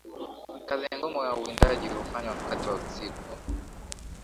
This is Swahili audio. Kazi ngumu ya uwindaji hufanywa wakati wa usiku